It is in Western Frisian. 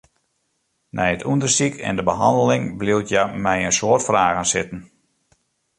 Nei it ûndersyk en de behanneling bliuwt hja mei in soad fragen sitten.